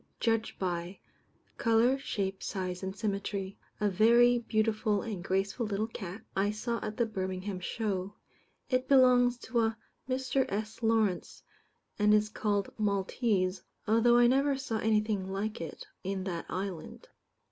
Judged by: Colour, shape, size, and symmetry. A very beautiful and graceful little cat, I saw at the Birmingham Show. It belongs to a Mr. S. Lawrence, and is called "Maltese," although I never saw anything like it in that island.